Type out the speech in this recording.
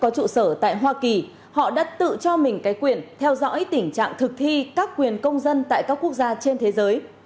trụ sở tại hoa kỳ họ đã tự cho mình cái quyền theo dõi tình trạng thực thi các quyền công dân tại các quốc gia trên thế giới